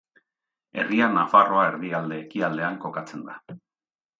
Herria Nafarroa erdialde-ekialdean kokatzen da.